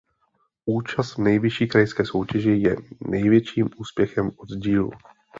Účast v nejvyšší krajské soutěži je největším úspěchem oddílu.